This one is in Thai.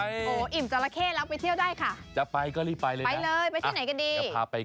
สวัสดีครับ